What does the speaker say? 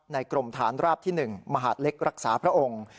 กรมฐานราบที่๑มหาดเล็กรักษาพระองค์